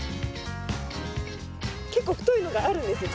結構太いのがあるんですよ。